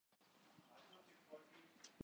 کافی دیر بعد ایک گاڑی آئی ۔